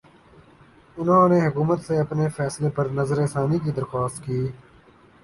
نہوں نے حکومت سے اپنے فیصلے پرنظرثانی کی درخواست کی